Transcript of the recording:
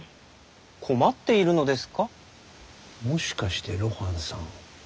もしかして露伴さん